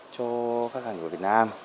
cho khách hàng của việt nam